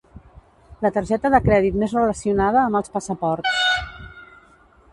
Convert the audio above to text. La targeta de crèdit més relacionada amb els passaports.